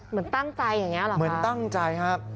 เหมือนตั้งใจอย่างนี้เหรอเหมือนตั้งใจครับ